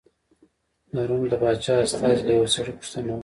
د روم د پاچا استازي له یوه سړي پوښتنه وکړه.